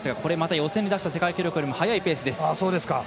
予選で出した世界記録よりも速いペース。